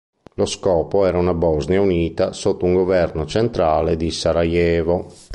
Lo scopo era una Bosnia unita sotto un governo centrale di Sarajevo.